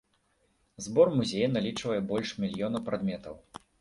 Збор музея налічвае больш мільёна прадметаў.